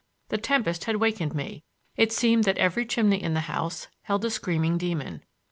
The tempest had wakened me; it seemed that every chimney in the house held a screaming demon.